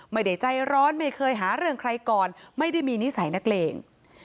ไม่ได้ใจร้อนไม่เคยหาเรื่องใครก่อนไม่ได้มีนิสัยนักเลง